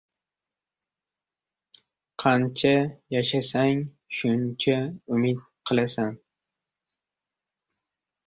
• Qancha yashasang, shuncha umid qilasan.